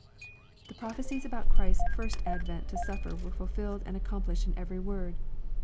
The prophecies about Christ's first advent to sufier were fulfilled and accomplished in every word.